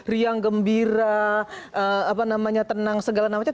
riang gembira tenang segala macam